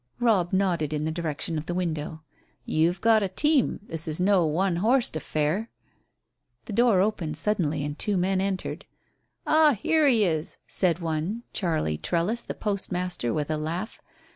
Robb nodded in the direction of the window. "You've got a team. This is no 'one horsed' affair." The door opened suddenly and two men entered. "Oh, here he is," said one, Charlie Trellis, the postmaster, with a laugh.